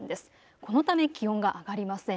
このため気温が上がりません。